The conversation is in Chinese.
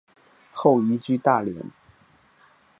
后移居大连。